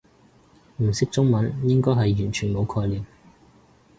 唔識中文應該係完全冇概念